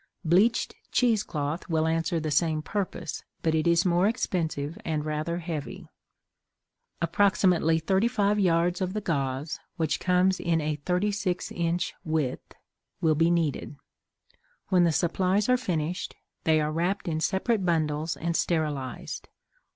Bleached cheese cloth will answer the same purpose, but it is more expensive and rather heavy. Approximately thirty five yards of the gauze, which comes in a thirty six inch width, will be needed. When the supplies are finished, they are wrapped in separate bundles and sterilized.